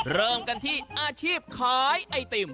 เริ่มกันที่อาชีพขายไอติม